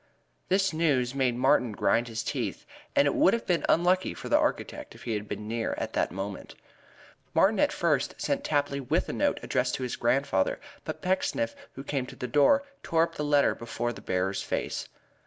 This news made Martin grind his teeth, and it would have been unlucky for the architect if he had been near at that moment. Martin first sent Tapley with a note addressed to his grandfather, but Pecksniff, who came to the door, tore up the letter before the bearer's face.